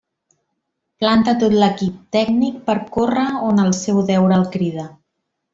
Planta tot l'equip tècnic per córrer on el seu deure el crida…